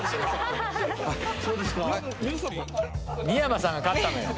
三山さんが買ったのよ。